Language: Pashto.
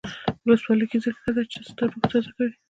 ولسواکي ځکه ښه ده چې روح تازه کوي.